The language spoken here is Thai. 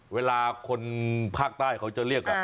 เวลาคนภาคใต้เขาจะเรียกแบบ